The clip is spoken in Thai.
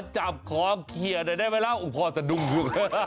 แต่ได้ไหมแล้วอุ๊ยพอจะดุงดู